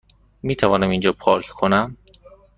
میتوانم اینجا پارک کنم؟